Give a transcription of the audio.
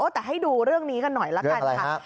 แต่ให้ดูเรื่องนี้กันหน่อยละกันค่ะ